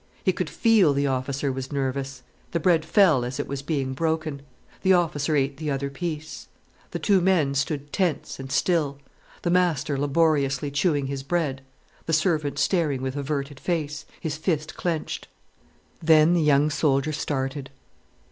He could feel the officer was nervous. The bread fell as it was being broken The officer ate the other piece. The two men stood tense and still, the master laboriously chewing his bread, the servant staring with averted face, his fist clenched. Then the young soldier started.